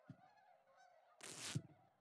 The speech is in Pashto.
او سوداګرۍ پاتې کېدل تر ټولو غوره څه دي.